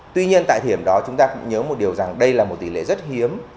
tuy nhiên tại thời điểm đó chúng ta cũng nhớ một điều rằng đây là một tỷ lệ rất hiếm